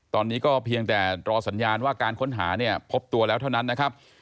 ตอนนี้ก็เพียงแต่รอสัญญาณว่าการค้นหาเนี่ยพบตัวแล้วเท่านั้นนะครับ